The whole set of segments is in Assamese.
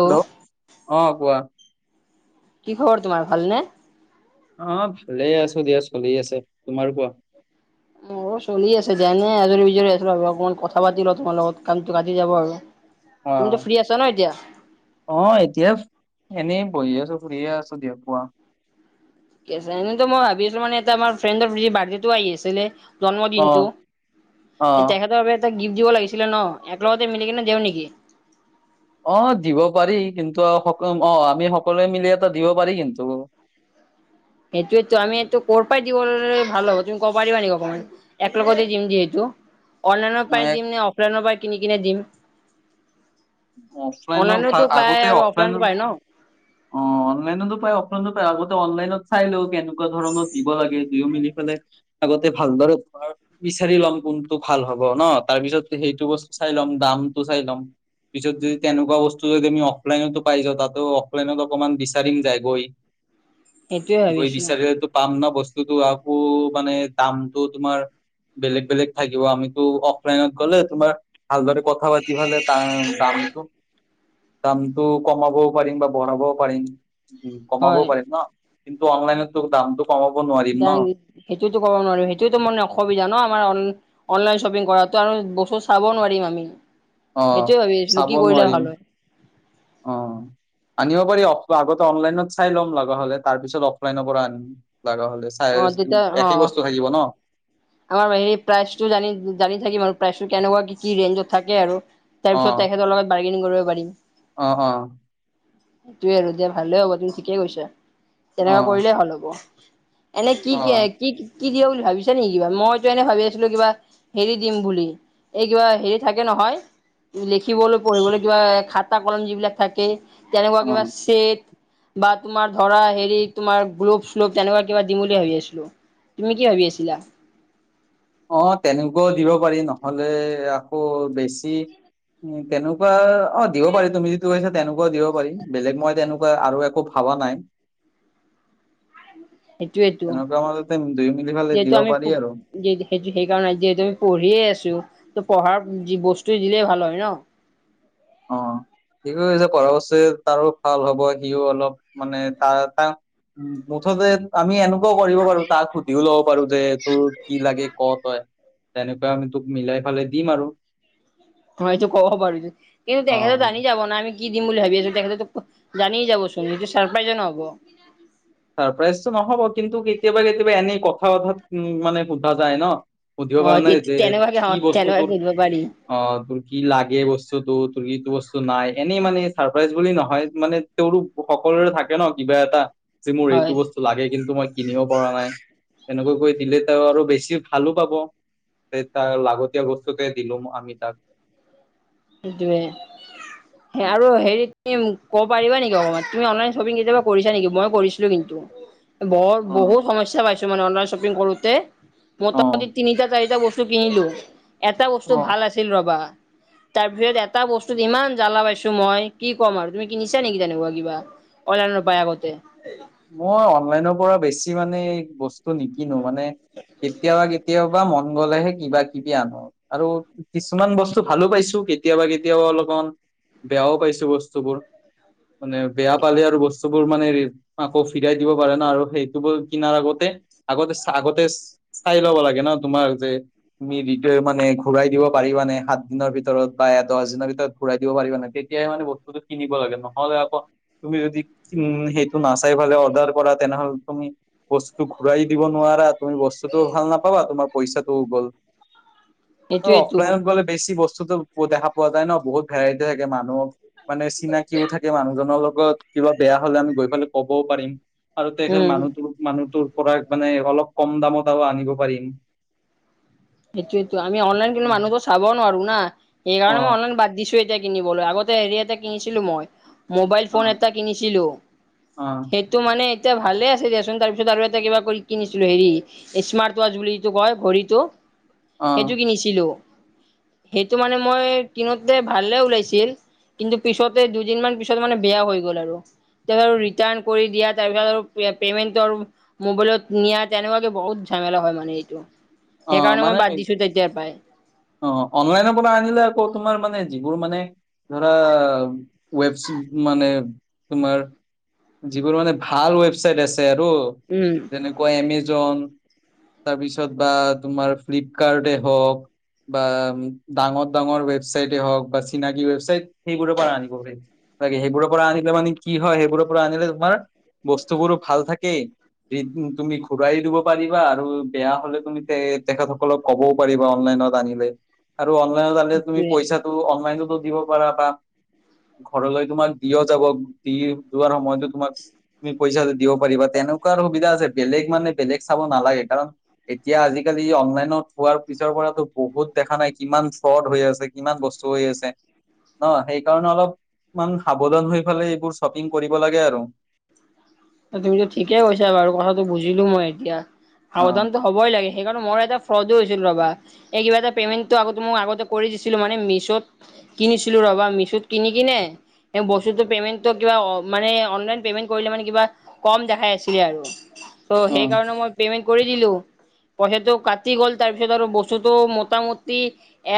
হেল্ল' অ কোৱা কি খবৰ তোমাৰ ভাল নে অ ভালেই আছো দিয়া চলি আছে তোমাৰ কোৱা মো চলি আছে যেনে আজৰি বিজৰি আছিলো আৰু অকমান কথা পাতি লওঁ তোমাৰ লগত কামটো কাটি যাব আৰু অ তুমিতো ফ্ৰী আছা ন এতিয়া অ এতিয়া এনেই বহি আছো ফুৰিয়ে আছো দিয় পোৱা এনেো মই ভাবিছিলো মানে এটা আমাৰ ফ্ৰেণ্ডৰ বাৰ্থডেটো আহি আছিলে অ জন্মদিনটো অ তেখেতৰ বাবে এটা গিফ্ট দিব লাগিছিলে ন এক লগতে মিলি কিনে দিওঁ নেকি অ দিব পাৰি কিন্তু স অ আমি সকলোৱে মিলি এটা দিব পাৰি কিন্তু সেইটোয়েতো আমি এইটোো' পৰাাই দিবলৈ ভাল হ'ব তুমি কব পাৰিবা নেি কমানে এক লগগতে যিম যিহেতু অনলাইনৰ পায় মই দিম নে অফলাইনৰ পায় কিনি কনে দিম অফলাইনো ভাল, অনলাইনতো আগতে পায় আৰু অফলাইন পায় ন অ অনলাইনতো পায় অলনো পায় আগতে অনলাইনত চাই লও কেনেকুৱা ধৰণৰ দিব লাগে দুয়ো মিলি পেলাই আগতে ভালদৰোৰ বিচাৰি ল'ম কোনটো ভাল হ'ব ন তাৰ পিছত সেইটো বস্তু চাই ল'ম দামটো চাই ল'ম পিছত যদি তেনেকুৱা বস্তু যদি আমি অফলাইনতো পাইছা তাতো অফলাইনত অকনমান বিচাৰিম যায়গৈ সেইটোৱে গৈ ভাবিছো বিচাৰেতো পাম ন বস্তুতটো আকৌ মানে দামতটো তোমাৰ বেলেগ বেলেগ থাকিব আমিতো অফলাইনত গ'লে তোমাৰ ভালদৰে কথা পাতি ফাললে তাৰ দামটো দামতটো কমাবও পাৰিম বা বঢ়াবও পাৰিম কমাবও হয়। পাৰিম ন কিন্তু অনলাইনেতো দাম কমাব নোৱাৰে দাঙগি সেইটোতো ক'ব নোৱাৰিম সেইটোতো মানে অসুবিধা ন আমাৰ অনলাইন শ্বপিং কৰাটোো আৰু বস্তু চাবও নোৱাৰিম আমি অ', সেইটোয়ে ভাবি আছিলো লু চাব কি কৰিলে নোৱাৰিম ভাল হয় অ আনিব পাৰি অ আগতে অনলাইনত চাই ল'ম লগা হলে তাৰ পিছত অফলাইনৰ পৰা আনিম লগা হলে অ তেতিয়া অ একেই বস্তু থাকিব ন আমাৰ হেৰি প্ৰাইচটো জানি থাকিম আৰু প্ৰাইচটো কেনেকুৱা কি কি ৰেঞ্জত থাকে আৰু তাৰ পিছত অ', তেখেতৰ লগত বাৰ্গেং কৰিব পাৰিম অ অ তু আৰু দিয়া ভালে হ'ব তুমি ঠিকেই কৈছ তেনেকুৱা অ', কৰিলেই ভাল হ'ব এনে কি কি অ'। কি কি দিয় বুলি ভাবিছা নেকি কিবা মইতো এনে ভাবি আছিলো কিবা হেৰি দিম বুলি এই কিবা হেৰি থাকে নহয় লিখিবলৈ পঢ়িবলৈ কিবা খাতা কলম যিবিলাক থাকে তেনেকুৱা কিবা অ', চট বা তোমাৰ ধৰা হেৰি তোমাৰ গ্লোভ্লোভ তেনেকুৱা কিবা দিম বুলি ভাবি আছিলো তুমি কি ভাবি আছিলা? অ', তেনেকুৱাও দিব পাৰি নহলে আকৌ বেছি তেনেকুৱা অ', দিব পাৰি তুমি যিটো কৈছা তেনেকুৱাও দিব পাৰি বেলেগ মই তেনেকুৱা আৰু একো ভাবা নাই। সেইটোয়েতো তেনেকুৱা মাজতে দুই মিলি ফালে দিব পাৰি আৰু। সেইটো সেইকাৰণে যিহেতু আমি পঢ়িয়ে আছো ত পঢ়াৰ বস্তু দিলেই ভাল হয় ন'? অ', ঠিকে কৈছা পঢ়া বস্তু তাৰো ভাল হব সিও অলপ মানে তাৰ এটা উম, মুঠতে আমি এনেকুৱাও কৰিব পাৰো তাক সুধিও ল'ব পাৰো যে তোৰ কি লাগে ক তই। তেনেকুৱা আমি তোক মিলাই ফেলাই দিম আৰু। হয় এটো ক'ব পৰো কিন্তু অ তেখেতৰ জানি যাব ন আমি কি দিম বুলি ভাবি আছো তেখেতো জানিয়েই যাবচোন সেইটো ছাৰপ্ৰাইজ ন হ'ব। চাৰপ্ৰাইজটো নহব কিন্তু কেতিয়াবা কেতিয়াবা এনেই কথা বথাত মানে সোধা যায় ন'। সুধিব অ পৰো ন যে তেনেকুৱাকে অ কি বস্তু তোৰ তেনেকুৱাকে দিব পাৰি অ', তোৰ কি লাগে বস্তুতটো তোৰ কি বস্তু নাই এনেই মানে চাৰপ্ৰাইজ বুলি নহয় মানে তেওঁৰো সকলোৰে থাকে ন কিবা এটা যে মোৰ হয় এইটো বস্তু লাগে কিন্তু মই কিনিব পৰা নাই তেনেকৈ কৰি দিলে তেওঁ আৰু বেছি ভালো পাব। তে তাৰ লাগতিয়াল বস্তুকে দিলো আমি তাক। সেইটোৱে। অ আৰু হেৰি কব পাৰিবা নেকি অকণমান তুমি অনলাইন শ্বপিং কেতিয়াবা কৰিছা নেকি মই কৰিছিলো কিন্তু। বহুত অ বহুত সমস্যা পাইছো মানে অনলাইন শ্বপিং কৰোতে অ মোটামুটি তিনিটা চাৰিটা বস্তু কিনিলো এটা বস্তু অ ভাল আছিল ৰবা। তাৰপিছত এটা বস্তুত ইমান জ্বালা পাইছো মই কি ক'ম আৰু তুমি কিনিছা নেকি তেনেকুৱা কিবা? অনলাইনত পাই আগতে। মই অনলাইনৰ পৰা বেছি মানে বস্তু নিকিনো মানে কেতিয়াবা কেতিয়াবাবা মন গলেহে কিবা কিবা ন আৰু কিছুমান বস্তু ভালো পাইছো কেতিয়াবা কেতিয়াবা অলপমান বেয়াও পাইছো বস্তুবোৰ মানে বেয়া পালে আৰু বস্তুবোৰ মানে আকৌ ফিৰাই দিব পাৰে ন আৰু সেইটো বোৰ কিনাৰ আগতে আগতে আগতে চাই ল'ব লাগে ন তোমাৰ যে তুমি মানে ঘূৰাই দিব পাৰিবা নে সাত দিনৰ ভিতৰত বা এ দহ দিনৰ ভিতৰত ঘুৰাই দিব পাৰিবা নাই তেতিয়াহে মানে বস্তুতটো কিনিব লাগে নহ'লে আকৌ তুমি যদি উম নাচাই ফালে অৰ্ডাৰ কৰা তেনেহ'লে তুমি বস্তুটো ঘূৰাই দিব নোৱাৰা তুমি বস্তুতটোও ভাল নাপাবা তোমাৰ পইচাটো ওই গ'ল। আৰু সেইটোয়েতো অফলাইনত গ'লে বেছি বস্তুটো দেখা পোৱা যায় ন বহুত ভেৰাইটি থাকে মানুহ মানে চিনাকিও থাকে মানুহজনৰ লগত কিবা বেয়া হলে আমি গৈ পেলাই কবও পাৰিম। আৰু তেখেত উম মানুহ মানুহটোৰ পৰা মানে অলপ কম দামত আৰু আনিব পাৰিম। সেইটোইটো আমি অনলাইন কিন্তু অ মানুহো চাব নোৱাৰো ন অ সেইকাৰণে মই অনলাইন বাদ দিছো। এতিয়া কিনিবলৈ আগতে হেৰি এটা কিনিছিলো মই। মোবাইল অ ফোন এটা কিনিছিলোঁ। অ সেইটো মানে এতিয়া ভালে আছে দিয়াচোন তাৰপিছত আৰু এটা কিবা কৰি কিনিছিলো হেৰি স্মাৰ্ট ৱাজ বুলিতো কয় ঘড়ীটো সেইটো কিনিছিলো সেইটো মানে মই কিনোতে ভালে ওলাইছিল। কিন্তু পিছতে দুদিনমান পিছত মানে বেয়া হৈ গ'ল আৰু। তাৰপিছত ৰিটাৰ্ণ কৰি দিয়া তাৰপিছত আৰু পেমেন্টটো আৰু মোবাইলত নিয়া তেনেকুৱাকে বহুত ঝেমেলা হয় মানে এইটো। অ', সেইকাৰণে মই মানে বাদ দিছো তেতিয়াৰ পৰাই অ', অনলাইনৰ পৰা আনিলে আকৌ তোমাৰ মানে যিবোৰ মানে ধৰা ৱেবছ মানে তোমাৰ যিবোৰ মানে ভাল ৱেবচাইট আছে আৰু। উম। এনেকুৱা এমেজন তাৰপিছত বা তোমাৰ ফ্লিপকাৰ্টে হওক। বা ডাঙৰ ডাঙৰ ৱেবছাইটে হওক বা চিনাকি ৱেবছাইট সেই বোৰৰ পৰা আনিব। তাকে সেইবোৰৰ পৰা আনিলে মানে কি হয় সেইবোৰৰ পৰা আনিলে তোমাৰ, বস্তুবোৰো ভাল থাকে [inaudible] তুমি ঘূৰাই দিব পাৰিবা, আৰু বেয়া হ'লে, তুমি তেখেতসকলক ক'বও পাৰিবা অনলাইনত আনিলে আৰু অনলাইনত আনিলে তুমি সেইটোয়ে পইচা অনলাইনতো দিব পাৰা বা ঘৰলৈ তোমাৰ দিও যাব দি যোৱাৰ সময়তো তোমাৰ তুমি পইচা দিব পাৰিবা তেনেকুৱা সুবিধা আছে বেলেগ মানে বেলেগ চাব নালাগে কাৰণ, এতিয়া আজিকালি অনলাইনত হোৱাৰ পিছৰ পৰাতো বহুত দেখা নাই কিমান ফ্ৰড হৈ আছে, কিমান বস্তু হৈ আছে। ন সেইকাৰণে অলপমান সাৱধান হৈ ফালাই এইবোৰ শ্বপিং কৰিব লাগে আৰু। তুমিতো ঠিকেই কৈছা বাৰু কথাটো বুজিলো মই এতিয়া অ সাৱধানত হ'বই লাগে সেইকাৰণে মই এটা ফ্ৰডো হৈছিল ৰবা। এই কিবা এটা পেমেণ্টো আ ম আগতে কৰি দিছিলো মানে মিছত। কিনিছিলো ৰবা মিছুত কিনি কিনে। বস্তুতটো পেমেণ্টটো কিব মানে অনলাইন পেমেণ্ট কৰিলে মানে কিবা। কম দেখাই আছিলে আৰু। ত' অ সেই কাৰণে মই পেমেন্ট কৰি দিলো পইচাটো কাটি গ'ল তাৰ পিছত আৰু বস্তু বস্তুটো মোটামুটি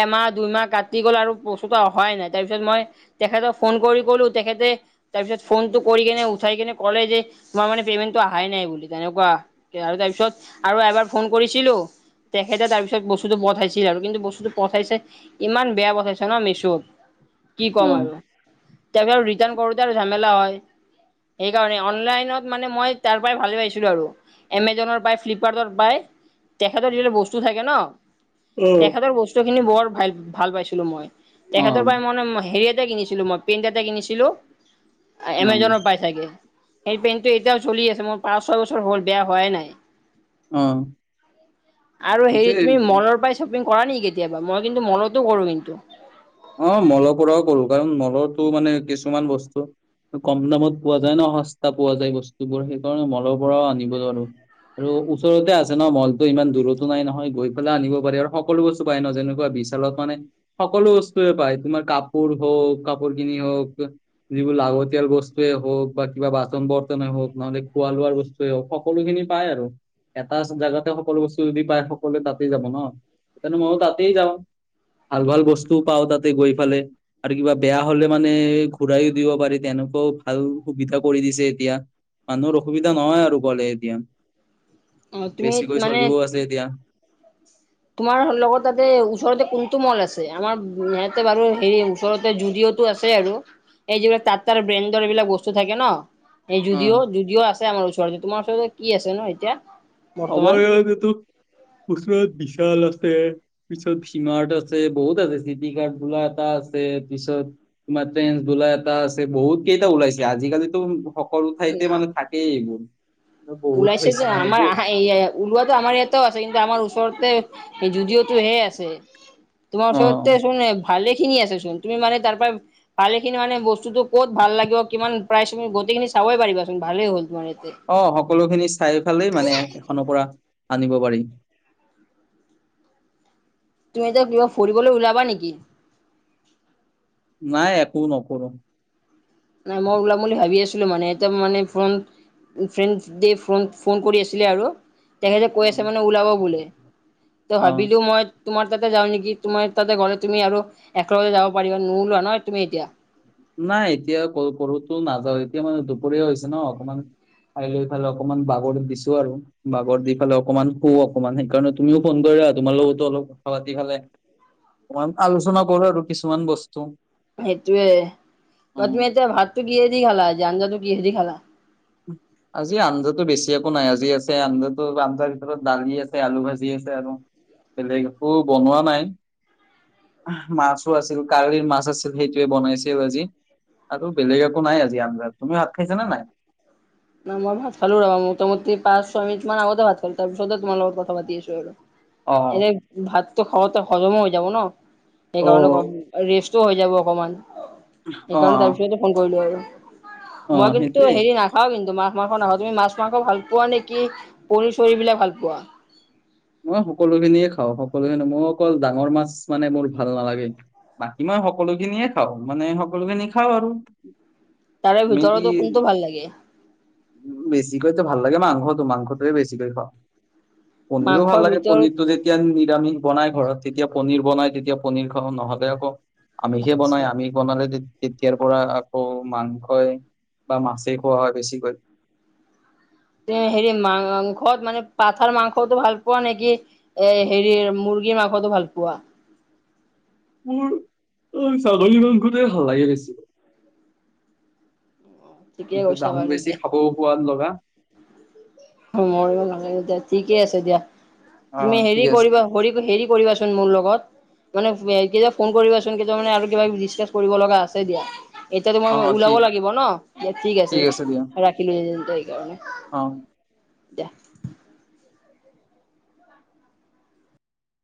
এমাহ দুইমাহ কাটি গ'ল আৰু তেতিয়া অহাই নাই তাৰ পিছত মই তেখেতক ফোন কৰি কলো তেখেতে তাৰপিছত ফোনটো কৰি কেনে উঠাই কেনে কলে যে তোমাৰ মে পেমেণ্টটো আহাই নাই বুলি তেনেকুৱা। দেয় আৰু তাৰপিছত আৰু এবাৰ ফোন কৰিছিলোঁ, তেখেতে তাৰ পিছত বস্তুতটো পঠাইছিল আৰু কিন্তু বস্তুতটো পঠাইছে ইমান বেয়া পঠাইছিল। তাকে মিচত কি অ ক'ম আৰু তাৰপিছত ৰিটান কৰোতে আৰু ঝমেলা হয়। সেইকাৰণে অনলাইনত মানে মই তাৰ পৰাই ভালে পাইছিলো আৰু। এমোজনৰ পায় ফ্লিপকাৰ্টৰ পায় তেখেতৰ দ বস্তু থাকে ন, তেখেতৰ বস্তু খিনি বৰ ভাল ভাল পাইছিলো মই। অ তেখেতৰ পৰাই মই হেৰি এটা কিনিছিলো মই পেণ্ট এটা কিনিছিলো। অ এমাজনৰ পাই চাগে সেই পেণ্টটো এতিয়াও চলি আছে মোৰ পাঁচ ছয় বছৰ হ'ল বেয়া হোৱাই নাই। অ, আৰু হেৰি তুমি যে মলৰ পৰাই শ্বপিং কৰা নেকি কেতিয়াবা মই কিন্তু মলতো কৰোঁ কিন্তু। অ, মলৰ পৰাও কৰোঁ কাৰণ মলৰটো মানে কিছুমান বস্তু, কম দামত পোৱা যায় ন সস্তা পোৱা যায় বস্তুবোৰ সেইকাৰণে মলৰ পৰাও আনিব ধৰো। আৰু ওচৰতে আছে ন মলতো ইমান দূৰতো নাই নহয় গৈ পেলাই আনিব পাৰি আৰু সকলো বস্তু পাই ন যেনেকুৱা বি [inaudible] মানে সকলো বস্তুৱে পায় তোমাৰ কাপোৰ হওক কাপোৰ কিনি হওক, যিবোৰ লাগতিয়াল বস্তুৱে হওক বা কিবা বাচন বৰ্তনে হওক নহলে খোৱা লোৱাৰ বস্তু ত সকলোখিনি পাই আৰু এটা জাগাতে সকলো বস্তু যদি পায় সকলোৱে তাতে যাব ন। সেইকাৰণে মইয়ো তাতেই যাওঁ ভাল ভাল বস্তু পাওঁ তাতে গৈ ফালে। আৰু কিবা বেয়া হলে মানে ঘূৰাই দিব পাৰি তেনেকেও ভাল সুবিধা কৰি দিছে এতিয়া। মানুহৰ অসুবিধা নহয় আৰু গ'লে এতিয়া। অ তুমি বেছিকৈ মানে চলিও আছে এতিয়া। তোমাৰ লগত তাতে ওচৰতে কোনটো মল আছে আমাৰ ইয়াতে বাৰু হে ওচৰতে জুদিও আছে আৰু এই যিবিলাক তাত তাৰ ব্ৰেণ্ডৰ এইবিলাক বস্তু থাকে ন, এই অ জুদিও জুদিও আছে আমাৰ ওচৰতে। তোমাৰ ওচৰতে কি আছে ন এতিয়া? বৰ্তমান আমাৰ ইয়াতেটো বিশাল আছে, পিছত ভি-মাৰ্ট আছে বহুত আছে চিটি কাৰ্ড বলা এটা আছে পিছত ট্ৰেণ্ডছ বুলা এটা আছে বহুত কেইটা ওলাইছে আজিকালিটো সকলো ঠাইতে মানে থাকে এইবোৰ। বহুত ওলাইছে হৈছে যে নহয় আমাৰ এইবোৰ আহা [inaudible] ওলোৱাটো আমাৰ ইয়াতেও আছে কিন্তু আমাৰ ওচৰতে জুদিওতটো হে আছে তোমাৰ অ ওচৰতে শুন ভালেখিনি আছে শুন তুমি মানে তাৰ পৰা ভালেখিনি মানে বস্তুটো ক'ত ভাল লাগিব কিমান প্ৰাইজ গোটেইখিনি চাবই পাৰিবাচোন ভালেই হ'ল তোমাৰ ইয়াতে অ সকলো খিনি চাই ফালেই মানে এখনৰ পৰা আনিব পাৰি তুমি এয়া কিবা ফুৰিবলৈ ওলাবা নেকি? নাই একো নকৰো নাই মই ওলাম বুলি ভাবি আছিলো মানে এতিয়া মানে front friends day phone phone কৰি আছিলে আৰু তেখেতে কৈ অ আছে মানে ওলাব বোলে ত অ ভাবিলো মই তোমাৰ তাতে যওঁ নেকি তোমাৰ তা গলে তুমি আৰু একেলগতে যাব পাৰিব নোলোৱা নহয় তুমি এতিয়া নাই এতিয়া কৰোতো নাযাওঁ এতিয়া মানে দুপৰীয়া হৈছে ন অকমান খাই লৈ ফালে অকমান বাগৰি দিছো আৰু বাগৰ দি ফালে অকণমান শু অকমান সেইকাৰণে তুমিও ফোন কৰি তোমাৰ লগতো অলপ কথা পাতি খালে ম আলোচনা কৰো আৰু কিছুমান বস্তু সেইটোয়ে বা উম তুমি এতিয়া ভাততো কিহেদি খালা আঞ্জাটো কিহেদি খালা উম আজি আঞ্জা বেছি একো নাই আজি আছে আঞ্জাতো আঞ্জাৰ ভিতৰত দালি আছে আলু ভাজি আছে আৰু বেলেগ একো বনোৱা নাই মাছো আছিল কালিৰ মাছ আছিল সেইটোৱে বনাইছে আজি আৰু বেলেগ একো নাই আজি আঞ্জাত তুমি ভাত খাইছা নে নাই? ন মই ভাত খালো মোটা মুটি পাঁচ ছয় মিনিট মান আগতে ভাত খালো তাৰ পিছতহে তোমাৰ লগত কথাাপতি আছো আৰু অ এনে ভাতটো খাৱতে হজমো হৈ যাব ন অ সেইকাৰণে ৰেষ্ট হৈ যাব অকমান অ সেইকাৰণে তাৰপিছতে ফোন কৰিলো আৰু অ মই কিন্তু সেইটোয়ে হেৰি না খাওঁ কিন্তু মাছ মাংস নাখাওঁ তুমি মাছ মাংস ভাল পোৱা নেকি পনীৰ চৰি বিলাক ভাল পোৱা মই সকলোখিনিয়ে খাওঁ সকলোখিনি মই অকল ডাঙৰ মাছ মানে মোৰ ভাল নালাগে বাকী মই সকলো খিনিয়ে খাওঁ মানে সকলো খিনি খাওঁ আৰু তাৰে ভিতৰতো কোনটো ভাল লাগে বেছিকৈ তো ভাল লাগে মাংসটো মাংসটোয়ে বেছিকৈ খাওঁ পনীৰো ভাল মাংসৰ লাগে ভিতৰত পনীৰতটো যে তেতিয়া নিৰামিষ বনাই ঘৰত তেতিয়া পনীৰ বনাই তেতিয়া পনীৰ খাওঁ নহ'লে আকৌ আমি সে আচ্ছা বনাই আমি বনালে তেতিয়াৰ পৰা আকৌ মাংসই বা মাছেই খোৱা হয় বেছিকৈ হেৰি মাংস মানে পাথাৰ মাংসটো ভাল পোৱা নেকি এ হেৰি মুৰ্গীৰ মাংসতো ভাল পোৱা মোৰ অ ছাগলী মাংসুতে হালাগে বেছি ঠিকে কিন্তু কৈছা দামো বাৰু বেছি দিয়া খাবও সোৱাদ লগা মৰিব নালাগে এতি ঠিকে আছে এিয়া অ তুমি ঠিক হেৰি আছে কৰিবা হেৰি হেৰি কৰিবা মোৰ লগত মানে কেতি ফোন কৰিবাচোন কেতিয়া মানে আৰু কিবা ডিচকাচ কৰিব লগা আছে দিয়া এতিয়াাতো অ মই ঠিক ওলাব লাগিব ন যে ঠিক আছে ৰাখিলো সেইকাৰণে অ দিয়া